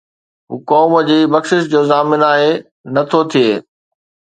هو قوم جي بخشش جو ضامن آهي، نه ٿو ٿئي